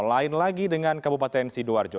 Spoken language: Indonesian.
lain lagi dengan kabupaten sidoarjo